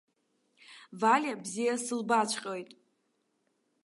Валиа бзиа сылбаҵәҟьоит.